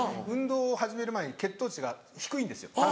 運動を始める前に血糖値が低いんですよ